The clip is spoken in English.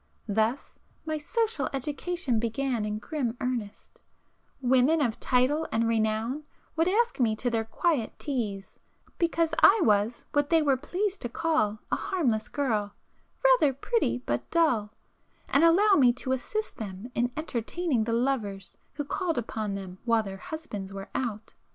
Thus my 'social education' began in grim earnest;—women of title and renown would ask me to their 'quiet teas,' because I was what they were pleased to call a 'harmless girl—' 'rather pretty, but dull,'—and allow me to assist [p 403] them in entertaining the lovers who called upon them while their husbands were out.